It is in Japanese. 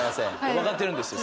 分かってるんですよ。